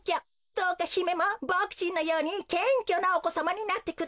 どうかひめもボクちんのようにけんきょなおこさまになってください。